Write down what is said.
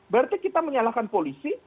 berarti kita menyalahkan polisi